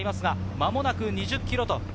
間もなく２０ｋｍ。